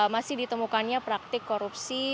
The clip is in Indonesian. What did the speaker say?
masih ditemukannya praktik korupsi